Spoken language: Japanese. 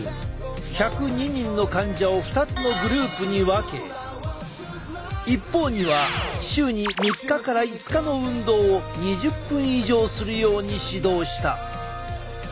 １０２人の患者を２つのグループに分け一方には週に３日から５日の運動を２０分以上するように指導した。